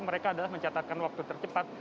mereka adalah mencatatkan waktu tercepat